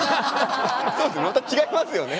また違いますよね。